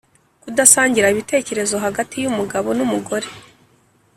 kudasangira ibitekerezo hagati y’umugabo n’umugore